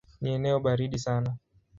Ni eneo baridi sana.